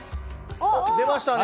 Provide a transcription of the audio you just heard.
おっ出ましたね。